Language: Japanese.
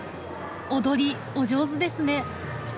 踊りお上手ですね。